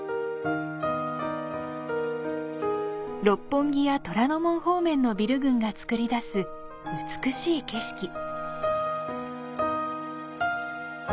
六本木や虎ノ門方面のビル群が作り出す美しい景色。